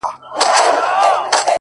o سایه یې نسته او دی روان دی؛